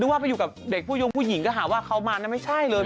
ว่าไปอยู่กับเด็กผู้ยงผู้หญิงก็หาว่าเขามานะไม่ใช่เลย